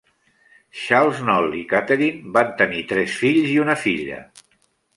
Charles Knoll i Catherine van tenir tres fills i una filla.